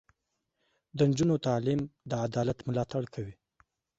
د نجونو تعلیم د عدالت ملاتړ کوي.